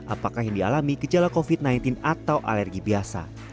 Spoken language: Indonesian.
apakah yang dialami gejala covid sembilan belas atau alergi biasa